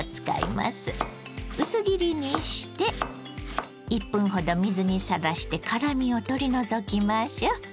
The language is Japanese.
薄切りにして１分ほど水にさらして辛みを取り除きましょう。